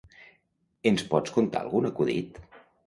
Ens pots contar algun acudit?